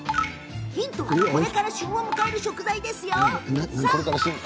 ヒントはこれから旬を迎える食材ですよ！